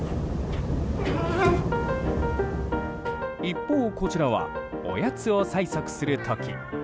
一方、こちらはおやつを催促する時。